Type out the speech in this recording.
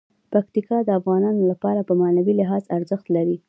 پکتیکا د افغانانو لپاره په معنوي لحاظ ارزښت لري.